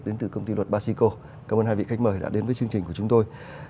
đến từ công ty luật basico cảm ơn hai vị khách mời đã đến với chương trình của chúng tôi